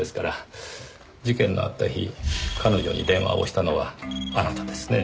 事件のあった日彼女に電話をしたのはあなたですね？